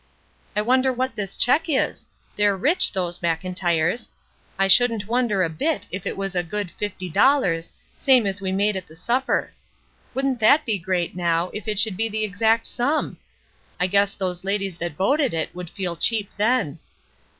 *' I wonder what this check is ? They're rich, those Mclntyres. I shouldn't wonder a bit if it was a good fifty dollars, same as we made at the supper. Wouldn't that be great, now, if it should be the exact sum? I guess those ladies that voted it would feel cheap then."